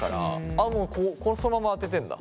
あっもうこうそのまま当ててんだ。